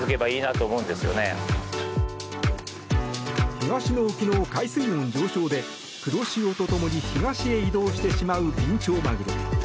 東の沖の海水温上昇で黒潮とともに東へ移動してしまうビンチョウマグロ。